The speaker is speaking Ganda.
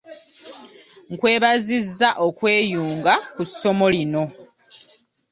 Nkwebazizza okweyunga ku ssomo lino.